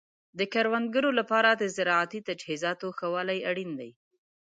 د کروندګرو لپاره د زراعتي تجهیزاتو ښه والی اړین دی.